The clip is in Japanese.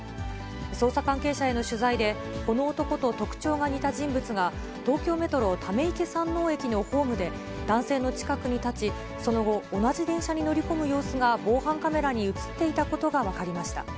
捜査関係者への取材で、この男と特徴が似た人物が、東京メトロ溜池山王駅のホームで、男性の近くに立ち、その後、同じ電車に乗り込む様子が防犯カメラに写っていたことが分かりました。